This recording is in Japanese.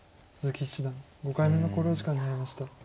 鈴木七段５回目の考慮時間に入りました。